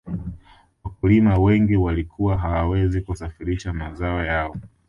wakulima wengi walikuwa hawawezi kusafirisha mazao yao